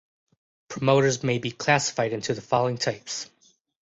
Promoters may be classified into the following types.